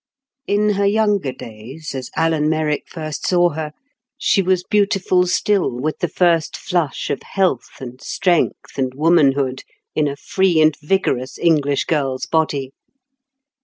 In her younger days, as Alan Merrick first saw her, she was beautiful still with the first flush of health and strength and womanhood in a free and vigorous English girl's body.